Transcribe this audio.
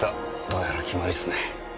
どうやら決まりっすね。